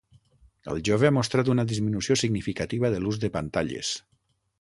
El jove ha mostrat una disminució significativa de l’ús de pantalles.